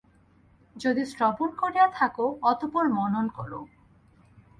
যদি শ্রবণ করিয়া থাক, অতঃপর মনন কর।